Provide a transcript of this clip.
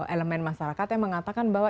elemen masyarakat yang mengatakan bahwa